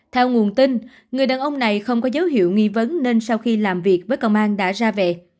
theo nguồn tin người đàn ông này không có dấu hiệu nghi vấn nên sau khi làm việc với công an đã ra về